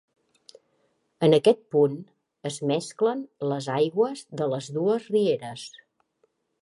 En aquest punt, es mesclen les aigües de les dues rieres.